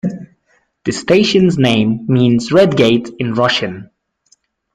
The station's name means "Red Gate" in Russian.